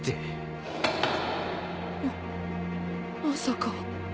ままさか。